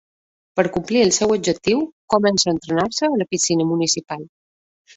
Per complir el seu objectiu, comença a entrenar-se a la piscina municipal.